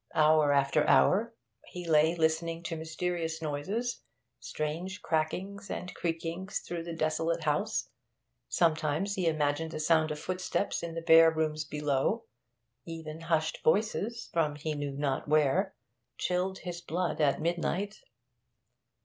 Hour after hour he lay listening to mysterious noises, strange crackings and creakings through the desolate house; sometimes he imagined the sound of footsteps in the bare rooms below; even hushed voices, from he knew not where, chilled his blood at midnight.